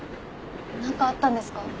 なんかあったんですか？